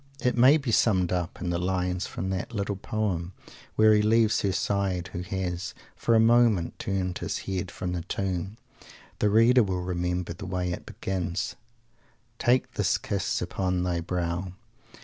It may be summed up in the lines from that little poem, where he leaves her side who has, for a moment, turned his heart from the Tomb. The reader will remember the way it begins: "Take this kiss upon thy brow."